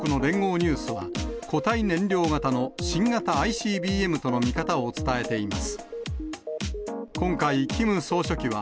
ニュースは、固体燃料型の新型ＩＣＢＭとの見方を伝えています。